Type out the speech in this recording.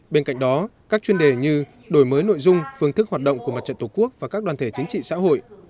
bên cạnh đó các chuyên đề như đổi mới nội dung phương thức hoạt động của mặt trận tổ quốc và các đoàn thể chính trị xã hội